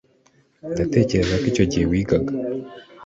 Ndatekereza ko icyo gihe wigaga,